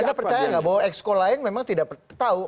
anda percaya nggak bahwa exco lain memang tidak tahu